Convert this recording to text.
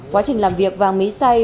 quá trình làm việc vàng mỹ say